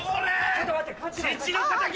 ちょっと待って勘違い。